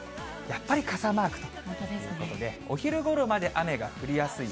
やっぱり傘マークということで、お昼ごろまで雨が降りやすい。